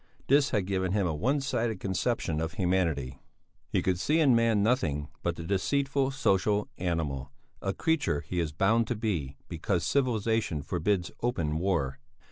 This had given him a one sided conception of humanity; he could see in man nothing but the deceitful social animal, a creature he is bound to be because civilization forbids open war.